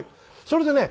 それでね